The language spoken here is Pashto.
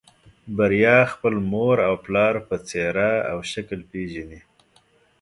بريا خپل پلار او مور په څېره او شکل پېژني.